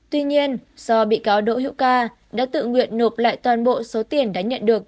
tuy nhiên do bị cáo đỗ hữu ca đã tự nguyện nộp lại toàn bộ số tiền đã nhận được